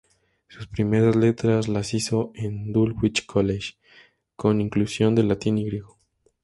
Sus primeras letras las hizo en "Dulwich College", con inclusión de latín y griego.